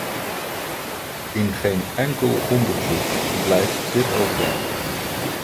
In geen enkel onderzoek blijft dit overeind.